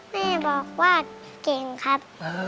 แม่บอกว่าเก่งครับ